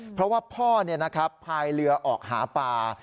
เพราะว่าพ่อพายเรือออกหาปลา